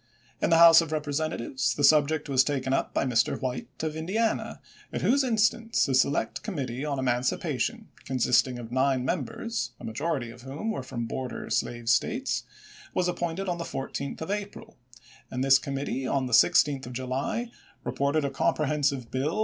In the House of Representatives the sub ject was taken up by Mr. White of Indiana, at whose instance a select committee on emancipa tion, consisting of nine members, a majority of whom were from border slave States, was ap pointed on the 14th of April, ^ and this committee on the 16th of July reported a comprehensive bill 1862.